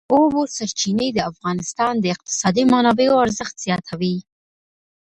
د اوبو سرچینې د افغانستان د اقتصادي منابعو ارزښت زیاتوي.